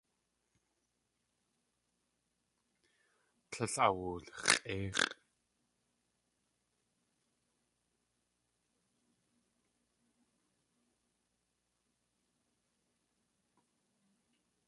Tlél awulx̲ʼéix̲ʼ.